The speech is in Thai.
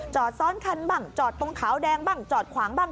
จอดซ้อนคันบ้างจอดตรงขาวแดงบ้างจอดขวางบ้าง